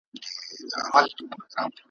هره شپه له بېخوبۍ څخه کباب سو ,